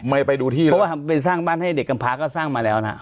ไปดูที่เลยเพราะว่าไปสร้างบ้านให้เด็กกำพาก็สร้างมาแล้วนะ